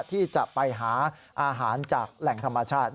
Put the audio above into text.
ที่จะไปหาอาหารจากแหล่งธรรมชาติ